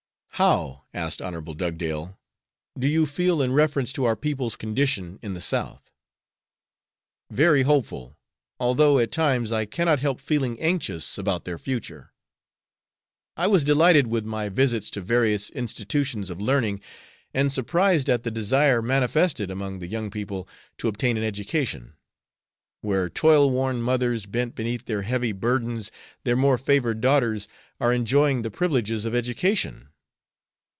"How," asked Hon. Dugdale, "do you feel in reference to our people's condition in the South?" "Very hopeful, although at times I cannot help feeling anxious about their future. I was delighted with my visits to various institutions of learning, and surprised at the desire manifested among the young people to obtain an education. Where toil worn mothers bent beneath their heavy burdens their more favored daughters are enjoying the privileges of education.